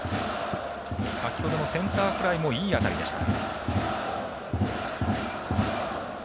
先ほどのセンターフライもいい当たりでした。